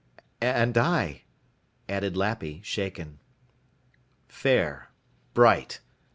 "And I," added Lappy, shaken. "Fair. Bright.